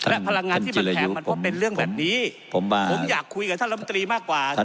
และพลังงานที่มันแพงมันก็เป็นเรื่องแบบนี้ผมอยากคุยกับท่านลำตรีมากกว่า